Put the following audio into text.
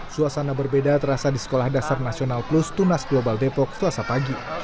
suasana berbeda terasa di sekolah dasar nasional plus tunas global depok selasa pagi